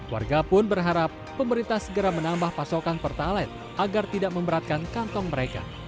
warga pun berharap pemerintah segera menambah pasokan pertalite agar tidak memberatkan kantong mereka